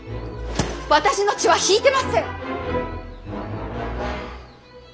私の血は引いてません！